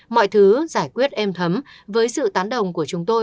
mọi thứ giải quyết êm thấm với sự tán đồng của chúng tôi